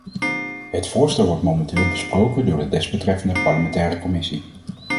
Het voorstel wordt momenteel besproken door de desbetreffende parlementaire commissie.